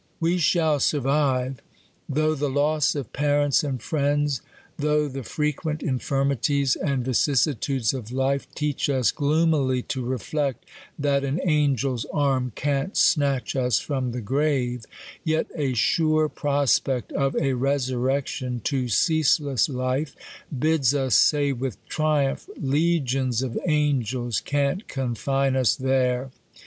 We shall survive. Though the loss of parents and friends ; though the frequent infirmities and vicissitudes of life, teach us gloomily to reflect, that *' An angel's arm can't snatch us from the grave ;" yet a sure prospect of a resurrec tion to ceaseless life, bids us say with triumph, "Legions of angels can't confine us there."